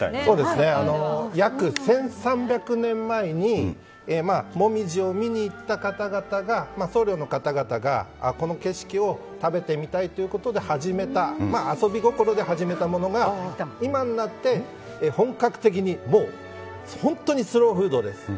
約１３００年前にモミジを見に行った僧侶の方々がこの景色を食べてみたいということで遊び心で始めたものが今になって本格的に本当にスローフードです。